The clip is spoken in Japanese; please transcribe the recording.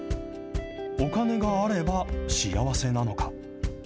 お金があれば幸せなのか。